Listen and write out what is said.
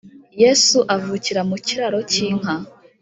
yesu avukira mu kiraro cy’inka